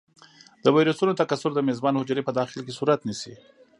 د ویروسونو تکثر د میزبان حجرې په داخل کې صورت نیسي.